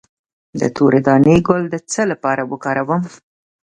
د تورې دانې ګل د څه لپاره وکاروم؟